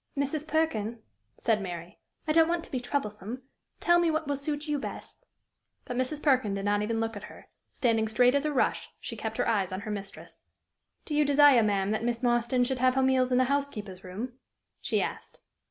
"Mrs. Perkin," said Mary, "I don't want to be troublesome; tell me what will suit you best." But Mrs. Perkin did not even look at her; standing straight as a rush, she kept her eyes on her mistress. "Do you desire, ma'am, that Miss Marston should have her meals in the housekeeper's room?" she asked.